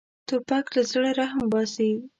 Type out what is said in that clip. توپک له زړه رحم باسي.